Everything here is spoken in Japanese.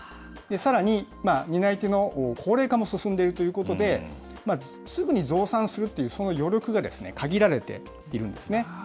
さらに担い手の高齢化も進んでいるということで、すぐに増産するというその余力が限られているんですね。